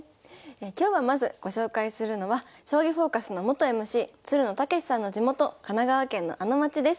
今日はまずご紹介するのは「将棋フォーカス」の元ＭＣつるの剛士さんの地元神奈川県のあの町です。